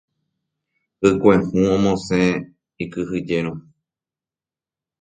Hykue hũ omosẽ ikyhyjérõ.